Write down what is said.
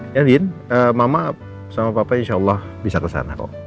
ya din mama sama papa insya allah bisa kesana kok